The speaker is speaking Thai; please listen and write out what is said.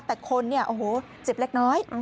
แต่คนเนี่ยโอ้โหเจ็บเล็กน้อย